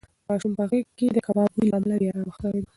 ماشوم په غېږ کې د کباب بوی له امله بې ارامه ښکارېده.